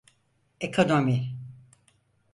Ekonomi…